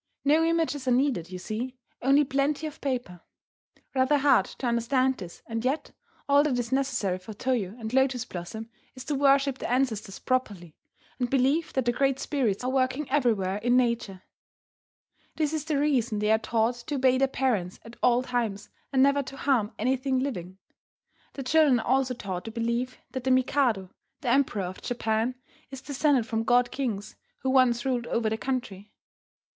No images are needed, you see, only plenty of paper. Rather hard to understand this, and yet all that is necessary for Toyo and Lotus Blossom is to worship their ancestors properly, and believe that the great spirits are working everywhere in nature. This is the reason they are taught to obey their parents at all times, and never to harm anything living. The children are also taught to believe that the Mikado, the Emperor of Japan, is descended from god kings who once ruled over the country.